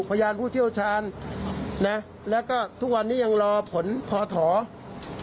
พยานผู้เชี่ยวชาญนะแล้วก็ทุกวันนี้ยังรอผลพอถอ